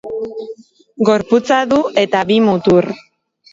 Gorputza du eta bi mutur.